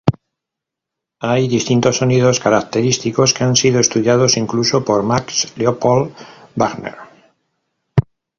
Hay distintos sonidos característicos que han sido estudiados incluso por Max Leopold Wagner.